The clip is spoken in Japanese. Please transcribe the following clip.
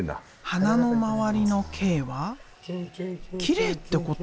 花の周りの「Ｋ」はきれいってこと？